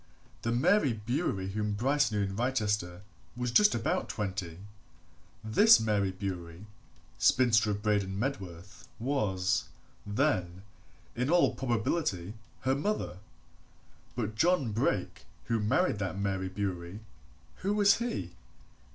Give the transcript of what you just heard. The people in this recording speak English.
The Mary Bewery whom Bryce knew in Wrychester was just about twenty this Mary Bewery, spinster, of Braden Medworth, was, then, in all probability, her mother. But John Brake who married that Mary Bewery who was he?